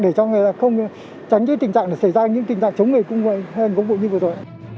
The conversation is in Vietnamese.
để cho người ta không tránh những tình trạng xảy ra những tình trạng chống người thi hành công vụ như vừa rồi